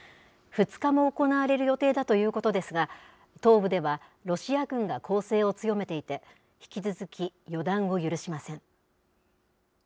２日も行われる予定だということですが、東部ではロシア軍が攻勢を強めていて、引き続き予断を許しません。